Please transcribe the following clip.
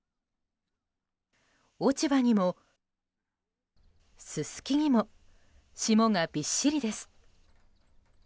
落ち葉にも、ススキにも霜がびっしりです。